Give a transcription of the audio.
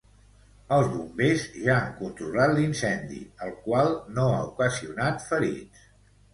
Els Bombers ja han controlat l'incendi, el qual no ha ocasionat ferits.